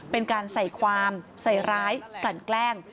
เป็นการใส่ความใส่ร้ายกลั่นแกล้ง